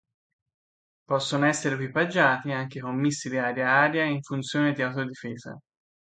Possono essere equipaggiati anche con missili aria-aria in funzione di autodifesa.